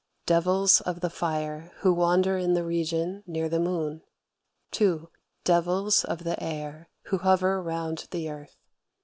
Devils of the fire, who wander in the region near the moon. (2.) Devils of the air, who hover round the earth.